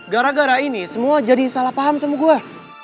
gara gara ini semua jadi salah paham sama gua